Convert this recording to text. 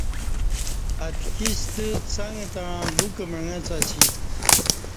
اتکی ستہ څک تݩع لوکہ معݣڅہ اسی